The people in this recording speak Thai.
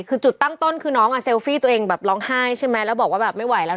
คือตั้งต้นคือน้องเซลฟี่ตัวเองร้องไห้แล้วบอกว่าแบบไม่ไหวแล้ว